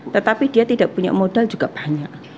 tetapi dia tidak punya modal juga banyak